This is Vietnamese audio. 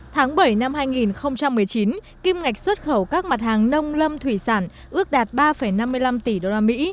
tháng bảy năm hai nghìn một mươi chín kim ngạch xuất khẩu các mặt hàng nông lâm thủy sản ước đạt ba năm mươi năm tỷ đô la mỹ